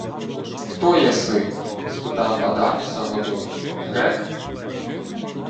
— Хто єси? — спитав Адаміса Годой. — Грек?